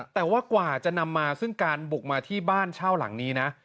แต่ว่ากว่าจะนำมาซึ่งการบุกมาที่บ้านเช่าหลังนี้นะ